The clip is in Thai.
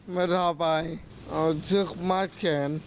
ไม่พาไปเอาเชือกมัดแขน